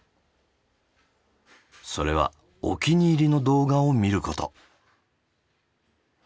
それはお気に入りの動画を見ること。